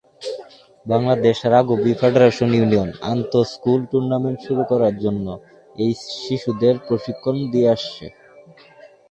Bangladesh rugby federation union আন্তঃ-স্কুল tournament শুরু করার জন্য এই শিশুদের প্রশিক্ষণ দিয়ে আসছে।